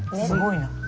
すごいな。